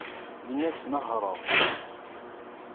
Ini-as la nehhṛeɣ.